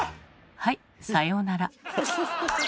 はいさようなら。